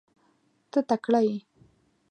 ته تکړه یې .